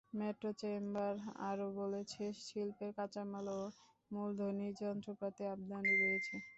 Metro chamber আরও বলেছে, শিল্পের কাঁচামাল ও মূলধনি যন্ত্রপাতি আমদানি বেড়েছে।